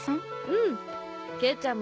うん。